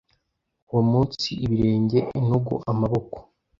uwo munsi ibirenge intugu amaboko.